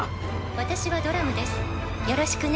「私はドラムですよろしくね」